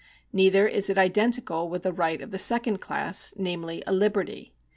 Neither is it identical with a right of the second class, namely, a liberty.